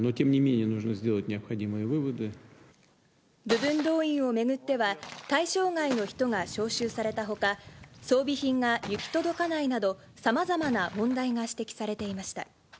部分動員を巡っては、対象外の人が招集されたほか、装備品が行き届かないなど、さまざまな問題が指摘されていました。